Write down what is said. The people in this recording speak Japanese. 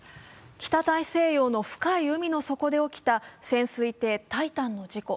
北大西洋の深い海の底で起きた潜水艇「タイタン」の事故。